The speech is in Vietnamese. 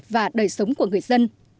và đời sống của người dân